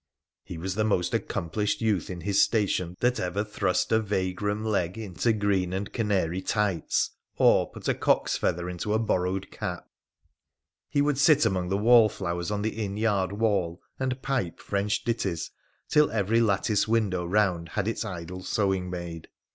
He was the most accomplished youth in his station that «yer thrust a vagrom leg into green and canary tights, or put 140 WONDERFUL ADVENTURES OF a cock's feather into a borrowed cap. He would sit among the wallflowers on the inn yard wall and pipe French ditties till every lattice window round had its idle sewing maid.